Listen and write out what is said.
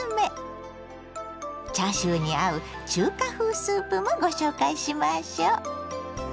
チャーシューに合う中華風スープもご紹介しましょ。